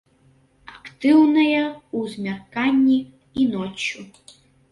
Актыўныя ў змярканні і ноччу.